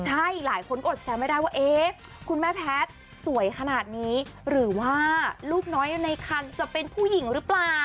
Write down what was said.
ใช่หลายคนอดแซวไม่ได้ว่าเอ๊ะคุณแม่แพทย์สวยขนาดนี้หรือว่าลูกน้อยในคันจะเป็นผู้หญิงหรือเปล่า